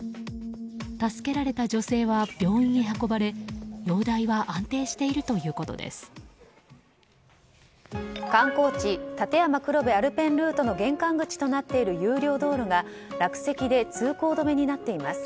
助けられた女性は病院に運ばれ容体は安定している観光地立山黒部アルペンルートの玄関口となっている有料道路が落石で通行止めになっています。